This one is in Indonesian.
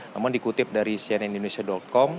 namun dikutip dari cnn indonesia com